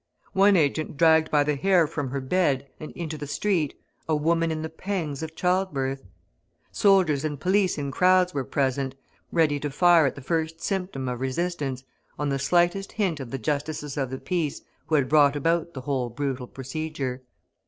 One agent dragged by the hair from her bed, and into the street, a woman in the pangs of childbirth. Soldiers and police in crowds were present, ready to fire at the first symptom of resistance, on the slightest hint of the Justices of the Peace, who had brought about the whole brutal procedure.